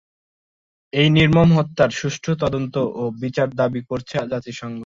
এই নির্মম হত্যার সুষ্ঠু তদন্ত ও বিচার দাবি করেছে জাতিসংঘ।